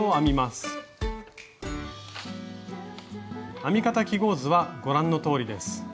編み方記号図はご覧のとおりです。